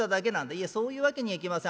「いえそういうわけにはいきません。